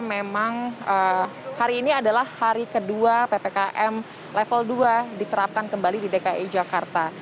memang hari ini adalah hari kedua ppkm level dua diterapkan kembali di dki jakarta